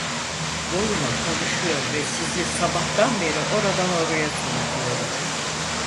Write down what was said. Boyuna konuşuyor ve sizi sabahtan beri oradan oraya sürüklüyorum.